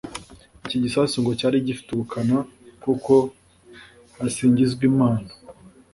Iki gisasu ngo cyari gifite ubukana kuko Hasingizwimana